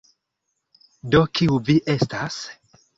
Do kiu vi estas?